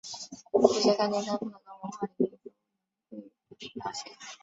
这些概念在不同的文化领域都能够被了解。